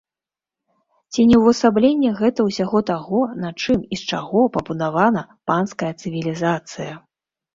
Ці не ўвасабленне гэта ўсяго таго, на чым і з чаго пабудавана панская цывілізацыя!